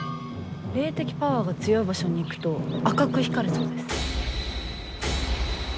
霊的パワーが強い場所に行くと赤く光るそうです。